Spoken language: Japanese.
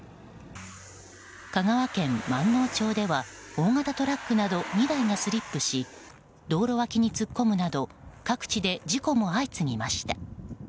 香川県まんのう町では大型トラックなど２台がスリップし道路脇に突っ込むなど各地で事故も相次ぎました。